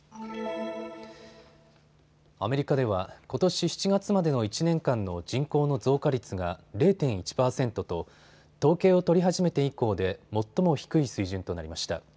アメリカではことし７月までの１年間の人口の増加率が０．１％と統計を取り始めて以降で最も低い水準となりました。